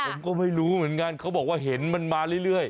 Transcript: ผมก็ไม่รู้เหมือนกันเขาบอกว่าเห็นมันมาเรื่อย